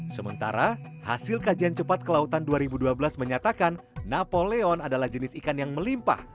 sementara hasil kajian cepat kelautan dua ribu dua belas menyatakan napoleon adalah jenis ikan yang melimpah